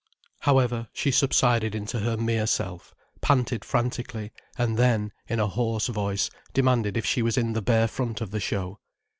However, she subsided into her mere self, panted frantically, and then, in a hoarse voice, demanded if she was in the bare front of the show.